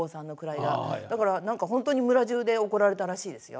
だから本当に村じゅうで怒られたらしいですよ。